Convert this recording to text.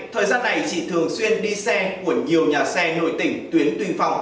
thời gian này chị thường xuyên đi xe của nhiều nhà xe nội tỉnh tuyến tuyên phòng